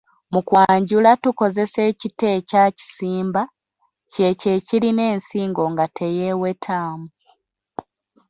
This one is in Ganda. Mu kwanjula tukozesa ekita ekya “kisimba” , kyekyo ekirina ensingo nga teyeewetamu.